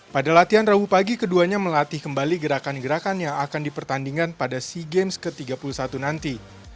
pada latihan rabu pagi keduanya melatih kembali gerakan gerakan yang akan dipertandingkan pada sea games ke tiga puluh satu nanti